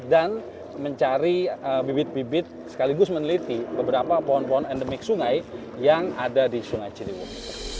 dan mencari bibit bibit sekaligus meneliti beberapa pohon pohon endemik sungai yang ada di sungai ciliwung